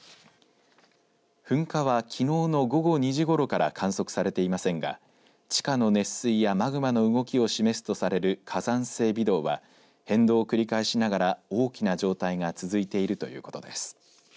噴火はきのうの午後２時ごろから観測されていませんが地下の熱水やマグマの動きを示すとされる火山性微動は変動を繰り返しながら大きな状態が続いているということです。